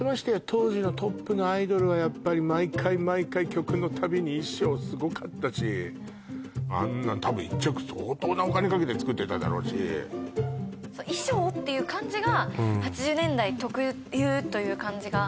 当時のトップのアイドルはやっぱり毎回毎回曲のたびに衣装すごかったしあんなの多分１着相当なお金かけて作ってただろうし衣装っていう感じが８０年代特有という感じが